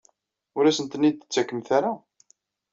Ur asen-ten-id-tettakemt ara?